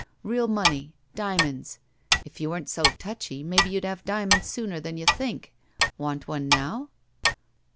Real money. Diamonds. If you weren't so touchy, maybe you'd have diamonds sooner than you think. Want one now?"